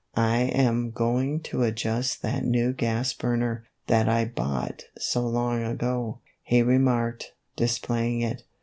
" I am going to adjust that new gas burner, that I bought so long ago," he remarked, displaying it.